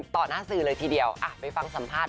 ต่อหน้าสื่อเลยทีเดียวไปฟังสัมภาษณ์